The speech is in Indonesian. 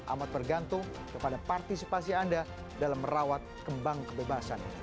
amat bergantung kepada partisipasi anda dalam merawat kembang kebebasan